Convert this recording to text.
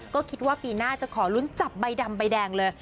ก็คิดว่าปีหน้าจะขอลุ้นจับใบดำใบแดงเลย